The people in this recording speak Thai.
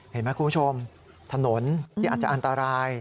เห็นไหมคุณผู้ชมถนนที่อาจจะอันตราย